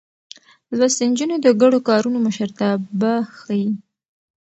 لوستې نجونې د ګډو کارونو مشرتابه ښيي.